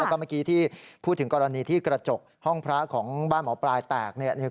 แล้วก็เมื่อกี้ที่พูดถึงกรณีที่กระจกห้องพระของบ้านหมอปลายแตกเนี่ย